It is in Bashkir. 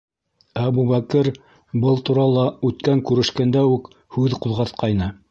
Әбүбәкер был турала үткән күрешкәндә үк һүҙ ҡуҙғатҡайны.